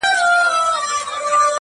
چې مې حال دزمانې ولید خراب